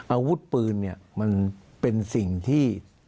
อาวุธปืนเนี่ยมันเป็นสิ่งที่